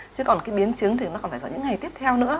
chứ còn cái biến chứng thì nó còn phải do những ngày tiếp theo nữa